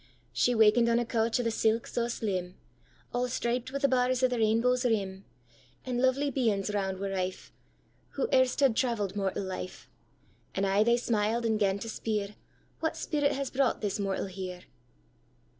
She 'waken'd on a couch of the silk sae slim, All striped wi' the bars of the rainbow's rim; And lovely beings round were rife, Who erst had travell'd mortal life; And aye they smiled and 'gan to speer,'What spirit has brought this mortal here?